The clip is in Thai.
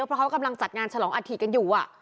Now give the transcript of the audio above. เพราะเขากำลังจัดงานฉลองอาธิกันอยู่